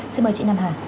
xin mời chị nam hà